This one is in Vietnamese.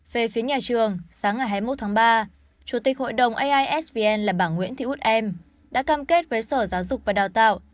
về phía nhà trường sáng ngày hai mươi một tháng ba chủ tịch hội đồng aisvn là bà nguyễn thị út em đã cam kết với sở giáo dục và đào tạo